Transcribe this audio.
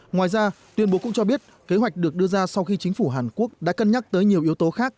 ngoài ra tuyên bố cũng cho biết kế hoạch được đưa ra sau khi chính phủ hàn quốc đã cân nhắc tới nhiều yếu tố khác